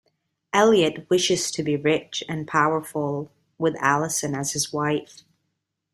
Elliot wishes to be rich and powerful, with Alison as his wife.